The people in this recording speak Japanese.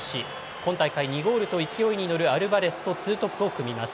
今大会２ゴールと勢いに乗るアルバレスとツートップを組みます。